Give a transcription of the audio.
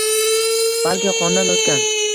Balki, qondan o’tgan.